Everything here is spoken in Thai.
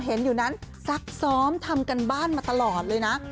เห็นอยู่นั้นซักซ้อมทำการบ้านมาตลอดเลยนะ